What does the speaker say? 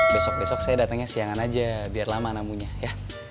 besok besok saya datangnya siangan aja biar lama namanya ya